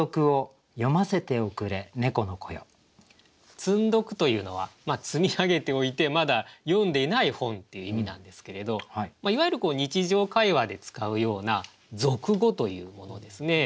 「積ん読」というのは積み上げておいてまだ読んでいない本っていう意味なんですけれどいわゆる日常会話で使うような俗語というものですね。